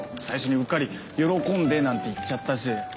最初にうっかり喜んでなんて言っちゃったし。